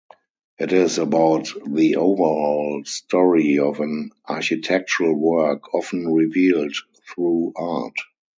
It is about the overall story of an architectural work, often revealed through art.